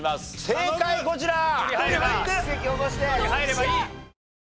正解こちら！